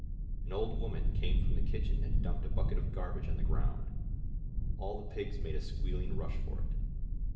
An old woman came from the kitchen and dumped a bucket of garbage on the ground ; all the pigs made a squealing rush for it.